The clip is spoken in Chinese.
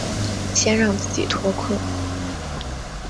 先让自己脱困